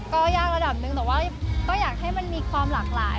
ก็ยากระดับหนึ่งแต่ว่าก็อยากให้มันมีความหลากหลาย